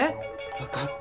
わかった。